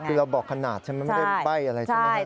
คือเราบอกขนาดใช่ไหมไม่ได้ใบ้อะไรใช่ไหมครับ